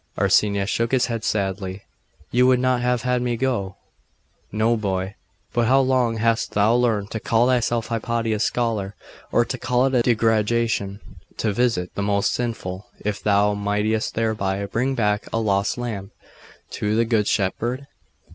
Arsenius shook his head sadly. 'You would not have had me go?' 'No, boy. But how long hast thou learned to call thyself Hypatia's scholar, or to call it a degradation to visit the most sinful, if thou mightest thereby bring back a lost lamb to the Good Shepherd?